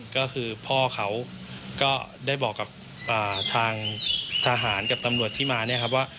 ก็คือพ่อเขาก็ได้บอกกับทางทหารกับตำรวจที่มาเนี่ยครับว่า